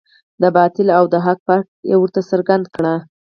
د باطل او د حق فرق یې ورته څرګند کړ.